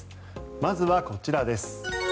まずはこちらです。